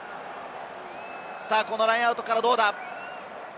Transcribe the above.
このラインアウトからどうだ？